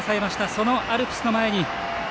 そのアルプスの前に。